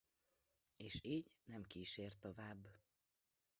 És így nem kísért tovább.